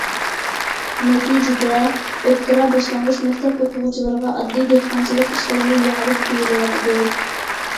نەتىجىدە، ئوتتۇرا، باشلانغۇچ مەكتەپ ئوقۇغۇچىلىرىغا ئاددىي دېھقانچىلىق ئىشلىرىمۇ يېڭىلىق تۇيۇلۇۋاتىدۇ.